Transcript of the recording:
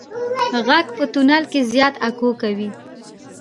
غږ په تونل کې زیات اکو کوي.